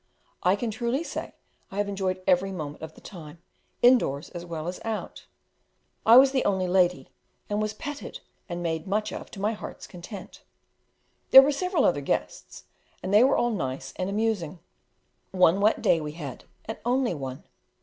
I can truly say I have enjoyed every moment of the time, indoors as well as out; I was the only lady, and was petted and made much of to my heart's content. There were several other guests, and they were all nice and amusing. One wet day we had, and only one.